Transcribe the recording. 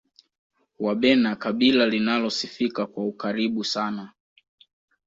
wabena kabila linalosifika kwa ukaribu sana